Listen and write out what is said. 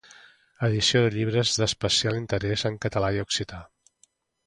Edició de llibres d'especial interès en català i occità.